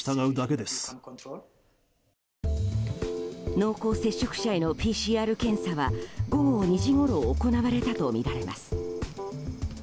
濃厚接触者へのＰＣＲ検査は午後２時ごろ行われたとみられます。